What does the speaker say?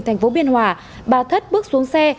thành phố biên hòa bà thất bước xuống xe